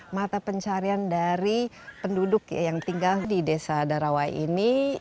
mata pencarian dari penduduk yang tinggal di desa darawai ini